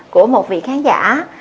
của một vị khán giả